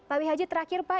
pak wih haji terakhir pak